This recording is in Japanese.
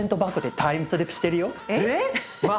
えっ？